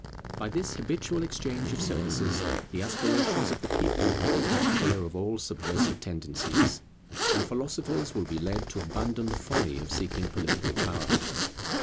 By this habitual exchange of services the aspirations of the people will be kept clear of all subversive tendencies, and philosophers will be led to abandon the folly of seeking political power.